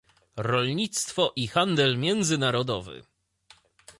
Rolnictwo i handel międzynarodowy